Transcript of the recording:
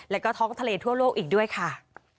แล้วก็ท้องทะเลทั่วโลกอีกด้วยค่ะ